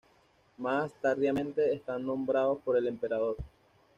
Más tardíamente, están nombrados por el emperador.